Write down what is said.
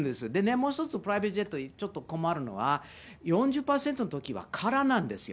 もう一つプライベートジェット、ちょっと困るのは、４０％のときは空なんですよ。